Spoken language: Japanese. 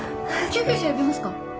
救急車呼びますか！？